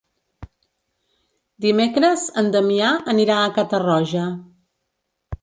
Dimecres en Damià anirà a Catarroja.